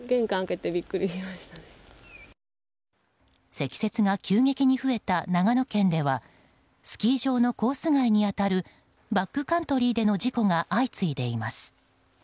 積雪が急激に増えた長野県ではスキー場のコース外に当たるバックカントリーでの事故が相次いでいます。